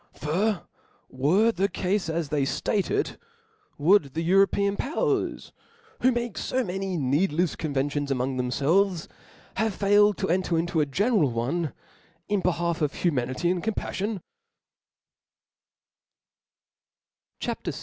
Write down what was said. For were the cafe as they ch^T 6, ftate it, would the European powers, who make fo many needlefs conventions among themfelves, have failed to enter into a general one, in behalf bf humanity and coitipaftion P C H A P.